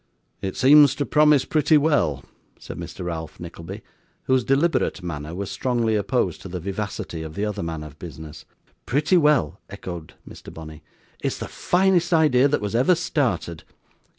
'It seems to promise pretty well,' said Mr. Ralph Nickleby, whose deliberate manner was strongly opposed to the vivacity of the other man of business. 'Pretty well!' echoed Mr. Bonney. 'It's the finest idea that was ever started.